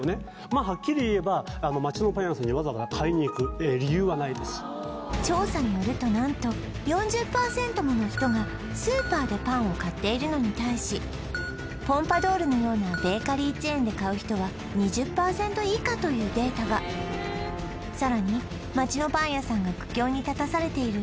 まあはっきり言えばわざわざ調査によると何と４０％もの人がスーパーでパンを買っているのに対しポンパドウルのようなベーカリーチェーンで買う人は２０％以下というデータがさらに街のパン屋さんが苦境に立たされている